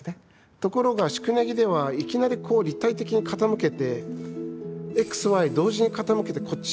ところが宿根木ではいきなりこう立体的に傾けてＸＹ同時に傾けてこっち